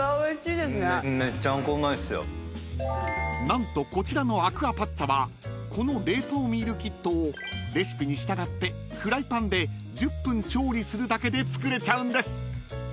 ［何とこちらのアクアパッツァはこの冷凍ミールキットをレシピに従ってフライパンで１０分調理するだけで作れちゃうんです］